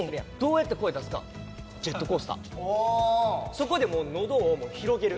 そこでもう喉を広げる。